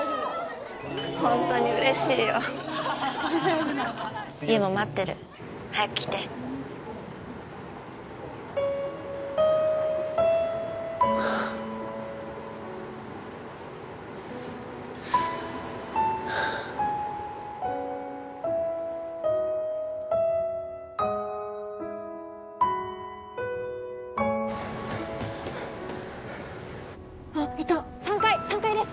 ホントに嬉しいよ優も待ってる早く来てあっいた３階３階です